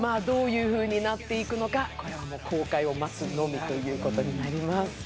どういうふうになっていくのかこれは公開を待つのみということになります